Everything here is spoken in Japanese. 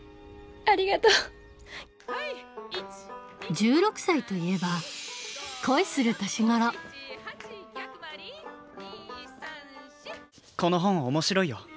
１６歳といえば恋する年頃この本面白いよ。